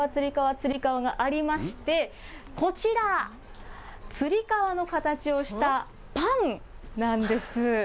つり革、つり革、つり革、つり革がありまして、こちら、つり革の形をしたパンなんです。